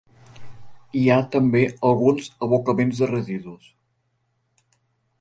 Hi ha també alguns abocaments de residus.